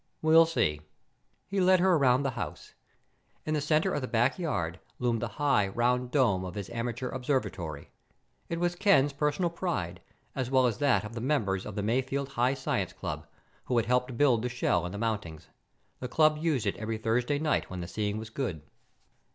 "We'll see." He led her around the house. In the center of the backyard loomed the high, round dome of his amateur observatory. It was Ken's personal pride, as well as that of the members of the Mayfield High Science Club, who had helped build the shell and the mountings. The club used it every Thursday night when the seeing was good.